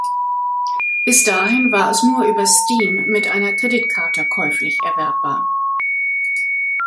Bis dahin war es nur über "Steam" mit einer Kreditkarte käuflich erwerbbar.